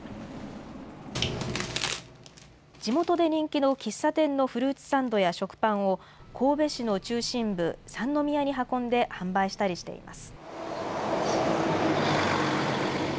地元で人気の喫茶店のフルーツサンドや食パンを、神戸市の中心部、三宮に運んで販売したりしています。